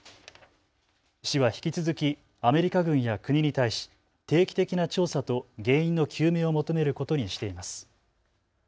市は引き続きアメリカ軍や国に対し定期的な調査と原因の究明を求めることにしています。